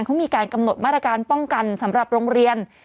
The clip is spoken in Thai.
เขามีการกำหนดมาตรการป้องกันสำหรับโรงเรียน